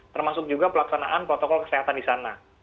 termasuk juga pelaksanaan protokol kesehatan di sana